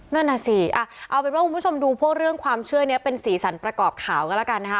นั่นน่ะสิเอาเป็นว่าคุณผู้ชมดูพวกเรื่องความเชื่อนี้เป็นสีสันประกอบข่าวกันแล้วกันนะคะ